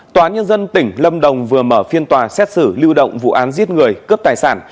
tòa nhân dân tỉnh lâm đồng vừa mở phiên tòa xét xử lưu động vụ án giết người cướp tài sản